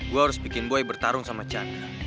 gue harus bikin boy bertarung sama chan